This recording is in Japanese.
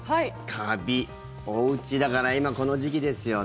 カビ、おうちだから、今この時期ですよね。